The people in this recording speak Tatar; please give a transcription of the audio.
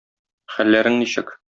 Хәлләрең ничек?